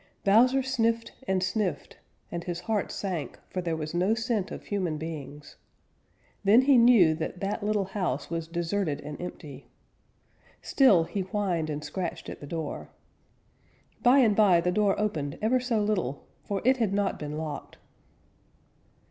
Bowser sniffed and sniffed and his heart sank, for there was no scent of human beings. Then he knew that that little house was deserted and empty. Still he whined and scratched at the door. By and by the door opened ever so little, for it had not been locked.